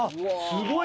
すごい！